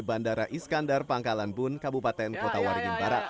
bandara iskandar pangkalan bun kabupaten kota waringin barat